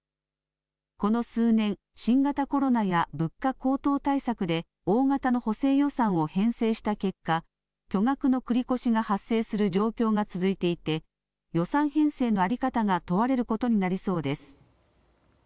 この数年、新型コロナや物価高騰対策で大型の補正予算を編成した結果、巨額の繰り越しが発生する状況が続いていて予算編成の在り方が問われることになりそうです。